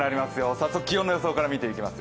早速気温の様子から見ていきます。